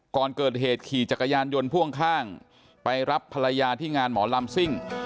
ก่อนเกิดเหตุขี่จักรยานยนต์พ่วงข้างไปรับภรรยาที่งานหมอลำซิ่ง